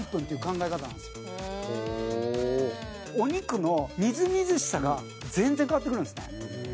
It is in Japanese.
品川：お肉のみずみずしさが全然変わってくるんですね。